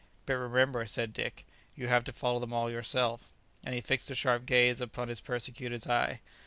"But remember," said Dick, "you have to follow them all yourself;" and he fixed a sharp gaze upon his persecutor's eye.